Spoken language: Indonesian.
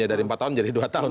dari empat tahun jadi dua tahun